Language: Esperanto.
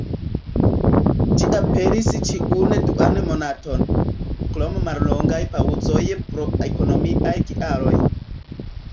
Ĝi aperis ĉiun duan monaton, krom mallongaj paŭzoj pro ekonomiaj kialoj.